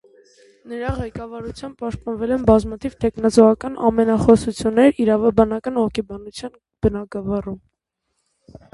Նրա ղեկավարությամբ պաշտպանվել են բազմաթիվ թեկնածուական ատենախոսություններ իրավաբանական հոգեբանության բնագավառում։